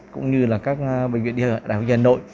cũng như là các bệnh viện đhn